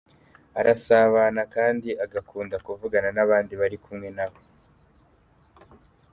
Arasabana kandi agakunda kuvugana n’abandi bari kumwe nawe.